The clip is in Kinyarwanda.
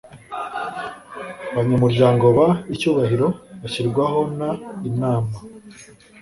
Abanyamuryango b icyubahiro bashyirwaho n inama